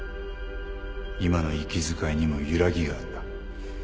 今の息遣いにも揺らぎがあった。